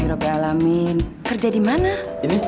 ya ya allah